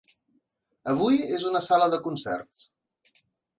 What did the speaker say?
Avui, és una sala de concerts.